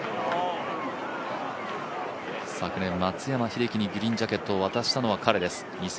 昨年、松山英樹にグリーンジャケットを渡したのは彼です。